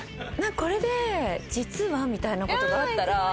これで「実は」みたいな事があったら。